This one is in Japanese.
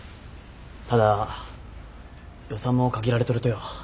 ただ予算も限られとるとよ。